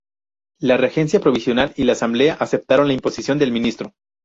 La regencia provisional y la asamblea aceptaron la imposición del ministro.